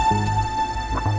terima kasih pak chandra